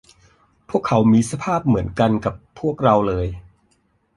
พวกเขามีสภาพเหมือนกันกับพวกเราเลย